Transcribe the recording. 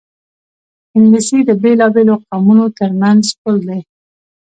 انګلیسي د بېلابېلو قومونو ترمنځ پُل دی